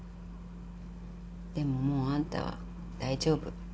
でももうあんたは大丈夫。